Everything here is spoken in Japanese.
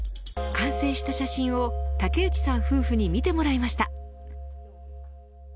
完成した写真を竹内さん夫婦に見てもらいました。